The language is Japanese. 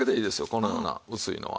このような薄いのは。